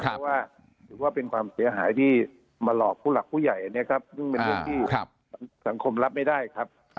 เพราะว่าถือว่าเป็นความเสียหายที่มาหลอกผู้หลักผู้ใหญ่นะครับซึ่งเป็นเรื่องที่สังคมรับไม่ได้ครับ